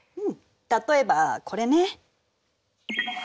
例えばこれね。